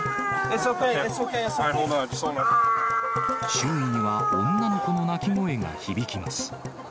周囲には女の子の泣き声が響きます。